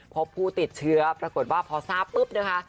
พบผู้ติดเชื้อปรากฏว่าพอทราบปุ๊บนะคะ